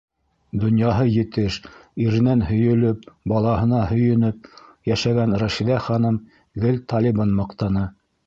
Донъяһы етеш, иренән һөйөлөп, балаһына һөйөнөп йәшәгән Рәшиҙә ханым гел Талибын маҡтаны: